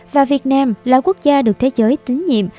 và việt nam là quốc gia được thế giới tín nhiệm